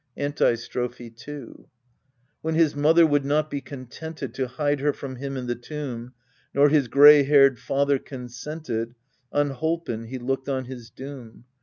Antistrophe 2 When his mother would not be contented To hide her from him in the tomb, Nor his gray haired father consented, Unholpen he looked on his doom.